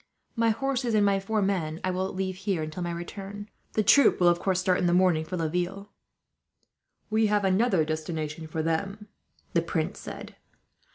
My horses and my four men I will leave here, until my return. The troop will, of course, start in the morning for Laville." "We have another destination for them," the prince said.